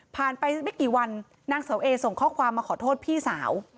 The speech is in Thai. ไปไม่กี่วันนางเสาเอส่งข้อความมาขอโทษพี่สาว